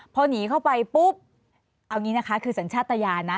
พอหนีเข้าไปปุ๊บเอาอย่างนี้นะคะคือสัญชาติยานนะ